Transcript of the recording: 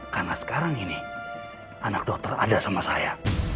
karena sekarang ini anak dokter ada sama saya